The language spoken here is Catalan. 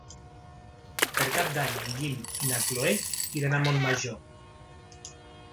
Per Cap d'Any en Guim i na Cloè iran a Montmajor.